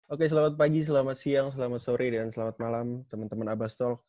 oke selamat pagi selamat siang selamat sore dan selamat malam teman teman abbastol